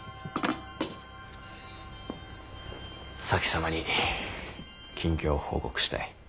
前様に近況を報告したい。